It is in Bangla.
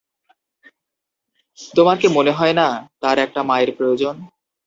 তোমার কি মনে হয় না তার একটা মায়ের প্রয়োজন?